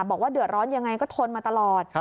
บอกว่าเดือดร้อนยังไงก็ทนมาตลอด